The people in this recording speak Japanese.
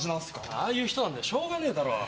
ああいう人なんだよしょうがねえだろ。